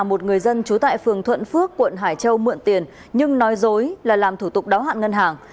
một người dân trú tại phường thuận phước quận hải châu mượn tiền nhưng nói dối là làm thủ tục đáo hạn ngân hàng